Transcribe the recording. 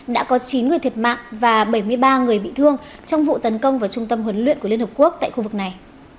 đã có chín người thiệt mạng và bảy mươi ba người bị thương trong vụ tấn công vào trung tâm huấn luyện của liên hợp quốc tại khu vực này